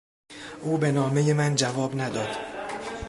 او به نامهی من جواب نداد.